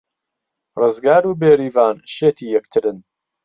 ڕزگار و بێریڤان شێتی یەکترن.